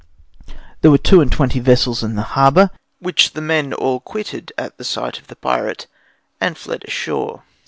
There were two and twenty vessels in the harbor, which the men all quitted upon the sight of the pirate, and fled ashore.